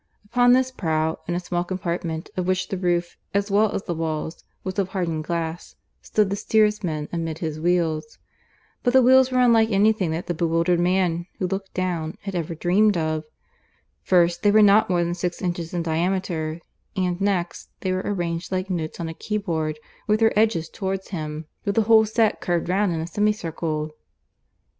Upon this prow, in a small compartment of which the roof, as well as the walls, was of hardened glass, stood the steersman amid his wheels. But the wheels were unlike anything that the bewildered man who looked down had ever dreamed of. First, they were not more than six inches in diameter; and next, they were arranged, like notes on a keyboard, with their edges towards him, with the whole set curved round him in a semicircle.